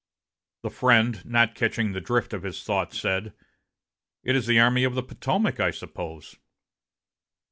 The friend, not catching the drift of his thought, said, "It is the Army of the Potomac, I suppose."